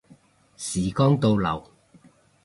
時光倒流